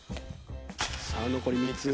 さあ残り３つ。